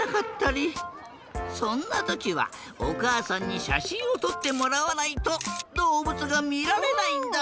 そんなときはおかあさんにしゃしんをとってもらわないとどうぶつがみられないんだ。